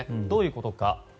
どういうことか。